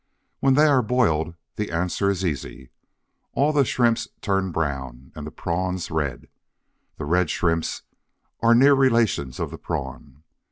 When they are boiled the answer is easy. All the Shrimps turn brown and the Prawns red. (The red "Shrimps" are near relations of the Prawn.)